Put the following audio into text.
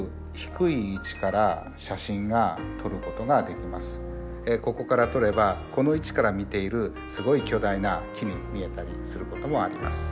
でも今回ここから撮ればこの位置から見ているすごい巨大な木に見えたりすることもあります。